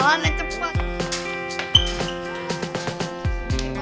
lagi pada happy banget kayaknya